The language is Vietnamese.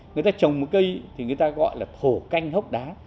người ta trồng một cây thì người ta gọi là thổ canh hốc đá